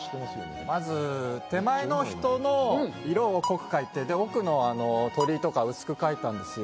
まず手前の人の色を濃く描いてで奥の鳥居とか薄く描いたんですよ。